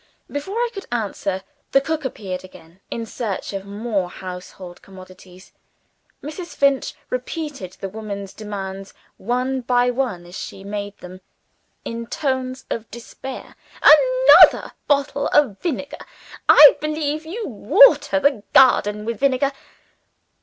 Before I could answer the cook appeared again, in search of more household commodities. Mrs. Finch repeated the woman's demands, one by one as she made them, in tones of despair. "Another bottle of vinegar? I believe you water the garden with vinegar!